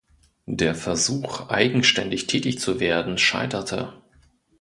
Der Versuch eigenständig tätig zu werden, scheiterte.